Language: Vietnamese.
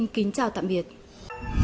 cảm ơn quý vị và các bạn đã theo dõi